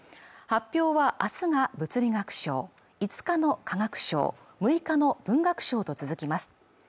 発表はあすが物理学賞５日の化学賞６日の文学賞と続きます